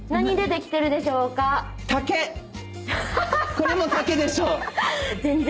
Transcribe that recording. これも竹でしょ？